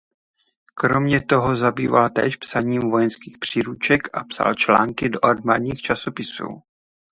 Kromě toho zabýval též psaním vojenských příruček a psal články do armádních časopisů.